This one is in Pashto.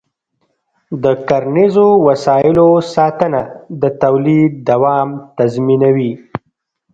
د کرنيزو وسایلو ساتنه د تولید دوام تضمینوي.